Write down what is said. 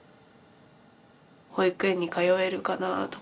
保育園に通えるかな？とか。